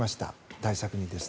対策にですね。